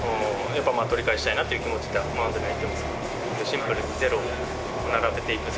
やっぱり取り返したいなっていう気持ちで、マウンドに入りました。